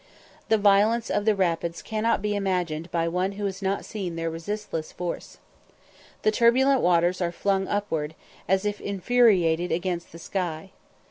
The violence of the rapids cannot be imagined by one who has not seen their resistless force. The turbulent waters are flung upwards, as if infuriated against the sky.